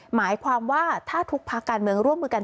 หมายความว่าถ้าทุกภาคการเมืองร่วมมือกัน